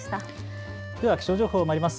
気象情報まいります。